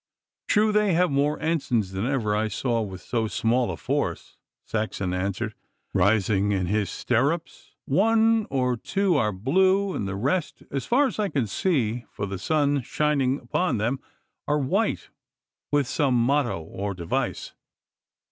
'True! They have more ensigns than ever I saw with so small a force,' Saxon answered, rising in his stirrups. 'One or two are blue, and the rest, as far as I can see for the sun shining upon them, are white, with some motto or device.